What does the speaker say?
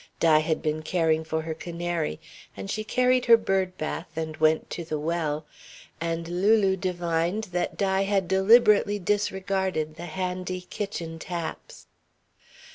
Di had been caring for her canary and she carried her bird bath and went to the well, and Lulu divined that Di had deliberately disregarded the handy kitchen taps.